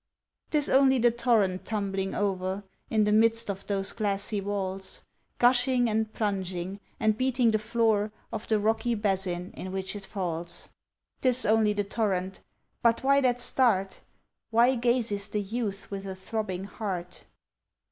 'Tis only the torrent tumbling o'er, In the midst of those glassy walls, Gushing, and plunging, and beating the floor Of the rocky basin in which it falls. 'Tis only the torrent but why that start? Why gazes the youth with a throbbing heart?